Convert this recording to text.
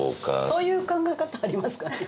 そういう考え方ありますかね？